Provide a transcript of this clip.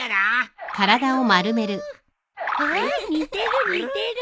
ああ似てる似てる。